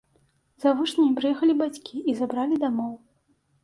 За вучнямі прыехалі бацькі і забралі дамоў.